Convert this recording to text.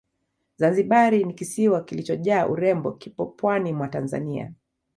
Zanzibari ni kisiwa kilichojaa urembo kipo pwani mwa Tanzania